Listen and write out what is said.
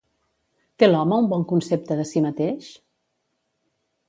Té l'home un bon concepte de si mateix?